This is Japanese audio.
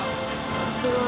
すごい。